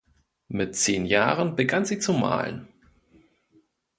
Mit zehn Jahren begann sie zu malen.